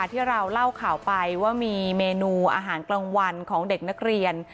ที่เราเล่าข่าวไปว่ามีเมนูอาหารกลางวันของเด็กนักเรียน